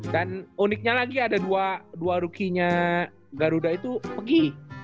dan uniknya lagi ada dua rookie nya garuda itu pergi